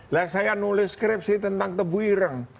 lihat saya nulis skripsi tentang tebu hirang